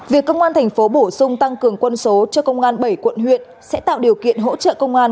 việc công an thành phố bổ sung tăng cường quân số cho công an bảy quận huyện sẽ tạo điều kiện hỗ trợ công an